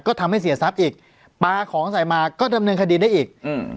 ก็ทำให้เสียทรัพย์อีกปลาของใส่มาก็ดำเนินคดีได้อีกอืม